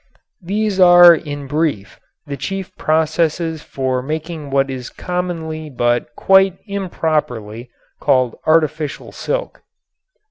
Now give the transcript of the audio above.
These are in brief the chief processes for making what is commonly but quite improperly called "artificial silk."